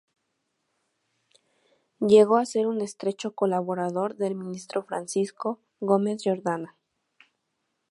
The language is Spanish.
Llegó a ser un estrecho colaborador del ministro Francisco Gómez-Jordana.